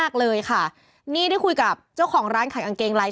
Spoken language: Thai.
เขาจะมีให้ขาย